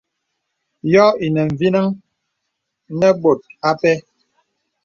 Yɔ̄ ìnə mvinəŋ nə bɔ̀t a pɛ.